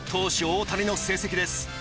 大谷の成績です。